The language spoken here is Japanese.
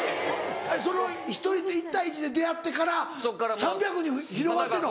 それは１対１で出会ってから３００に広がってるの？